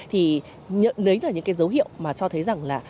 thì nhận đấy là những cái dấu hiệu mà cho thấy rằng là